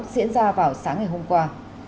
diễn ra vào sáng ngày hôm qua